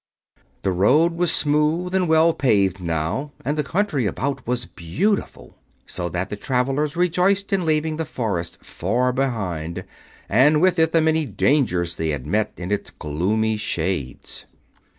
The road was smooth and well paved, now, and the country about was beautiful, so that the travelers rejoiced in leaving the forest far behind, and with it the many dangers they had met in its gloomy shades.